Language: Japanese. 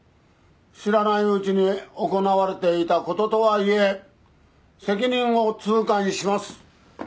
知らないうちに行われていた事とはいえ責任を痛感します。